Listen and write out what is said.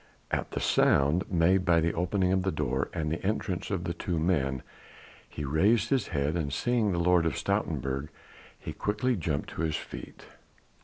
At the sound made by the opening of the door and the entrance of the two men, he raised his head and seeing the Lord of Stoutenburg he quickly jumped to his feet.